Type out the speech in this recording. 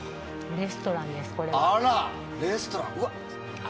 レストラン。